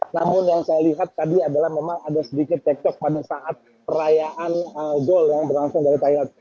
namun yang saya lihat tadi adalah memang ada sedikit cekcok pada saat perayaan gol yang berlangsung dari thailand